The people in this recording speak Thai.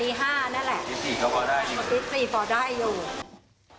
ตี๔ตี๕นั่นแหละตี๔พอได้อยู่